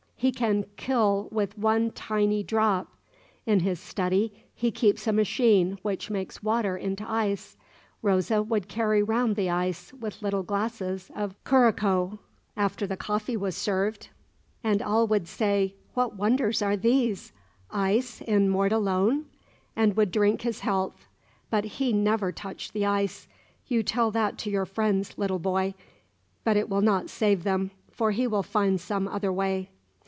"He can kill with one tiny drop. In his study he keeps a machine which makes water into ice. Rosa would carry round the ice with little glasses of curacoa, after the coffee was served; and all would say: 'What wonders are these? Ice in Mortallone!' and would drink his health. But he never touched the ice. You tell that to your friends, little boy. But it will not save them: for he will find some other way."